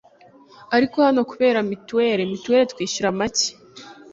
ariko hano kubera mituweri mutuelle twishyura make